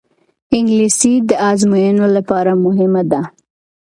انګلیسي د ازموینو لپاره مهمه ده